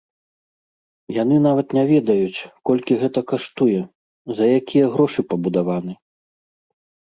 Яны нават не ведаюць, колькі гэта каштуе, за якія грошы пабудаваны.